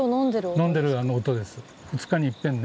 飲んでる音です